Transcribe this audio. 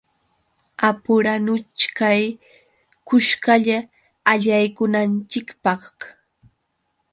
Apuranuchkay kuskalla allaykunanchikpaq.